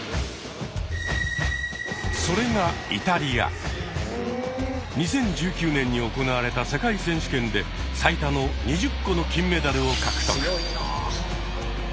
それが２０１９年に行われた世界選手権で最多の２０個の金メダルを獲得。